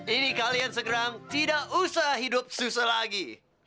ini kalian segeram tidak usah hidup susah lagi